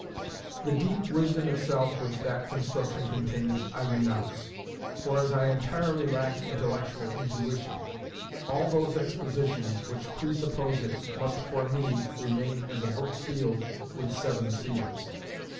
The deep wisdom itself which that construction contains, I renounce; for as I entirely lack "intellectual intuition," all those expositions which presuppose it must for me remain as a book sealed with seven seals.